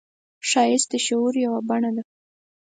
ښایست د شعور یوه بڼه ده